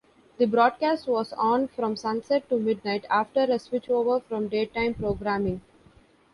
The broadcast was on from sunset to midnight after a switchover from daytime programming.